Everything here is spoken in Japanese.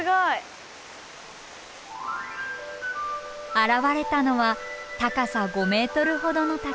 現れたのは高さ５ｍほどの滝。